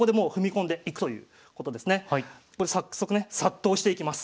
ここで早速ね殺到していきます。